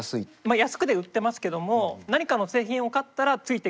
安くで売ってますけども何かの製品を買ったらついてくる。